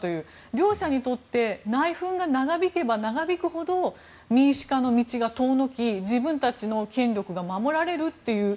両者にとって内紛が長引けば長引くほど民主化の道が遠のき自分たちの権力が守られるという。